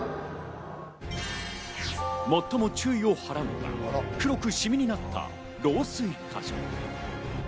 最も注意を払うのが黒くシミになった漏水か所。